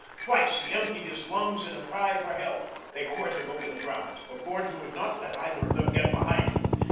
Twice he emptied his lungs in a cry for help. They quartered over the ground, for Gordon would not let either of them get behind him.